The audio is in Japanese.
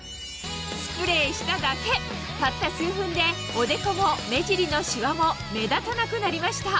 スプレーしただけたった数分でおでこも目尻のシワも目立たなくなりました